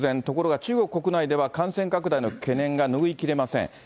ところが、中国国内では感染拡大の懸念がぬぐいきれません。